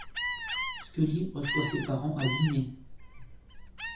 Scully reçoit ses parents à dîner.